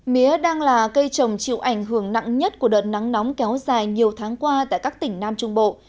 mía đang là cây trồng chịu ảnh hưởng nặng nhất của đợt nắng nóng kéo dài nhiều tháng qua tại các tỉnh nam trung bộ